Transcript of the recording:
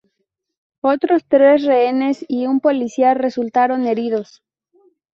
Otros tres rehenes y un policía resultaron heridos.